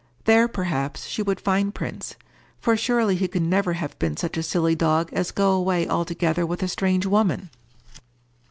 There, perhaps, she would find Prince, for surely he could never have been such a silly dog as go away altogether with a strange woman!